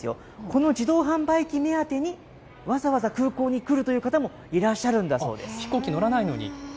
この自動販売機目当てにわざわざ空港に来るという方もいらっしゃるんだそうです。